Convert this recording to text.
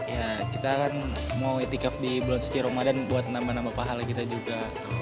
ya kita kan mau itikaf di bulan suci ramadan buat nambah nambah pahala kita juga